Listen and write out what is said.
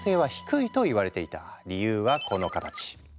理由はこの形。